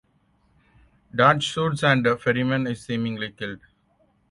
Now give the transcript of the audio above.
Dodge shoots and Ferriman is seemingly killed.